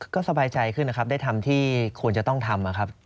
ก็สบายใจขึ้นนะครับได้ทำที่ควรจะต้องทำนะครับ